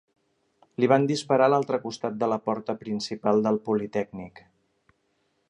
Li van disparar a l'altre costat de la porta principal del Politècnic.